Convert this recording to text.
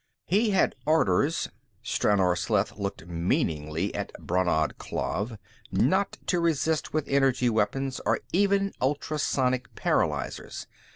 He had orders" Stranor Sleth looked meaningly at Brannad Klav "not to resist with energy weapons or even ultrasonic paralyzers.